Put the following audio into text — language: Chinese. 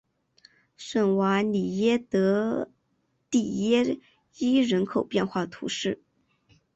圣瓦利耶德蒂耶伊人口变化图示